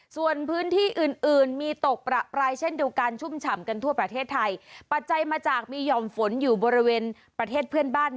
ส่วนพื้นที่อื่นอื่นมีตกประปรายเช่นเดียวกันชุ่มฉ่ำกันทั่วประเทศไทยปัจจัยมาจากมีห่อมฝนอยู่บริเวณประเทศเพื่อนบ้าน